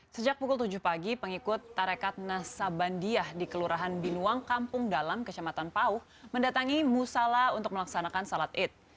sejak pukul tujuh pagi pengikut tarekat nasabandiah di kelurahan binuang kampung dalam kecamatan pauh mendatangi musala untuk melaksanakan salat id